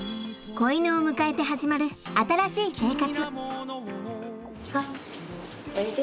子犬を迎えて始まる新しい生活。